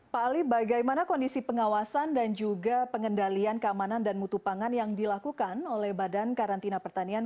pak ali bagaimana kondisi pengawasan dan juga pengendalian keamanan dan mutu pangan yang dilakukan oleh badan karantina pertanian